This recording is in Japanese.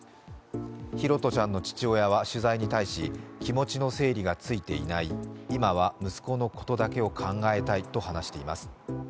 拓杜ちゃんの父親は取材に対し気持ちの整理がついていない、今は息子のことだけを考えたいと話しています。